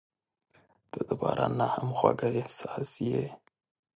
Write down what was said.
• ته د باران نه هم خوږه احساس یې.